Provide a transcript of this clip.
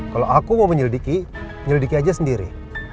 kalau aku mau menyelidiki menyelidiki aja sendiri